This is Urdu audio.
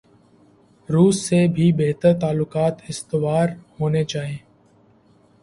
روس سے بھی بہتر تعلقات استوار ہونے چائیں۔